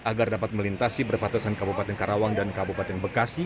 agar dapat melintasi berpatesan kabupaten karawang dan kabupaten bekasi